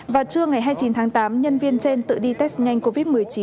vào trưa ngày hai mươi chín tháng tám nhân viên trên tự đi test nhanh covid một mươi chín